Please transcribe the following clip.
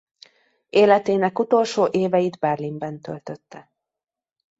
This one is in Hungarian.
Életének utolsó éveit Berlinben töltötte.